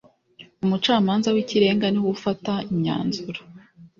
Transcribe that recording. umucamanza w’ ikirenga niwe ufata imyanzuro.